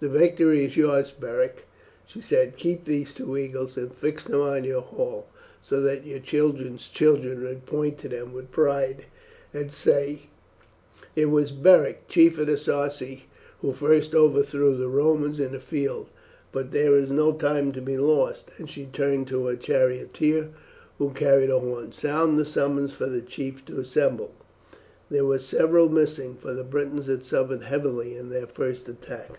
"The victory is yours, Beric," she said. "Keep these two eagles, and fix them in your hall, so that your children's children may point to them with pride and say, 'It was Beric, chief of the Sarci, who first overthrew the Romans in the field.' But there is no time to be lost;" and she turned to her charioteer, who carried a horn. "Sound the summons for the chiefs to assemble." There were several missing, for the Britons had suffered heavily in their first attack.